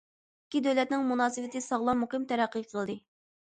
ئىككى دۆلەتنىڭ مۇناسىۋىتى ساغلام، مۇقىم تەرەققىي قىلدى.